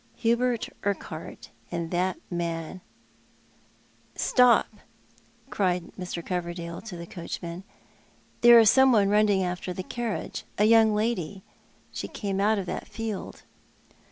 Hubert Urquhart and that man "' "Stop!" cried Mr. Coverdale to the coachman. "There is someone running after the carriage — a young lady. She came out of that field."